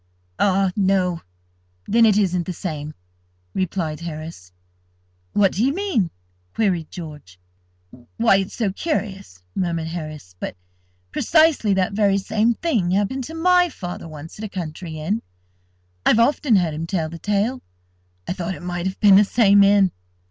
"Ah, no, then it isn't the same," replied Harris. "What do you mean?" queried George. "Why it's so curious," murmured Harris, "but precisely that very same thing happened to my father once at a country inn. I've often heard him tell the tale. I thought it might have been the same inn."